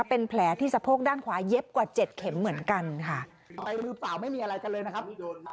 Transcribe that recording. เป็นแผลที่สะโพกด้านขวาเย็บกว่าเจ็ดเข็มเหมือนกันค่ะไปมือเปล่าไม่มีอะไรกันเลยนะครับ